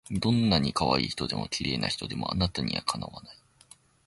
どんない可愛い人でも綺麗な人でもあなたには敵わない